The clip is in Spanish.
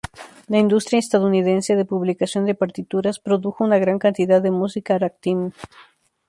La industria estadounidense de publicación de partituras produjo una gran cantidad de música "ragtime".